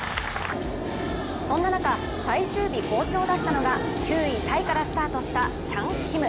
そんな中、最終日好調だったのが９位タイからスタートしたチャン・キム。